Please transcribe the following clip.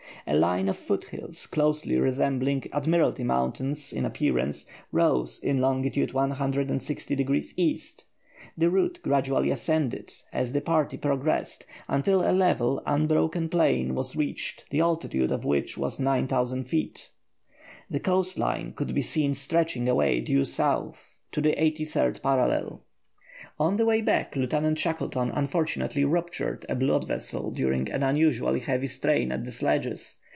A line of foot hills, closely resembling Admiralty Mountains in appearance, rose in longitude 160° E. The route gradually ascended, as the party progressed, until a level unbroken plain was reached, the altitude of which was 9000 feet. The coast line could be seen stretching away due south to the 83rd parallel. On the way back Lieutenant Shackleton unfortunately ruptured a blood vessel during an unusually heavy strain at the sledges.